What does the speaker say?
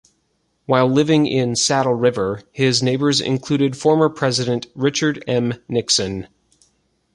While living in Saddle River, his neighbors included former President Richard M. Nixon.